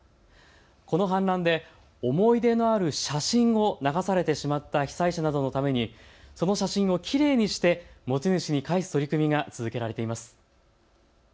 この氾濫で思い出のある写真を流されてしまった被災者などのためにその写真をきれいにして持ち主に返す取り組みが続けられています。